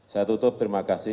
saya tutup terima kasih